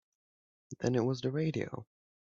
Then it was the radio.